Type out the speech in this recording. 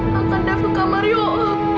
makan dev ke kamar yuk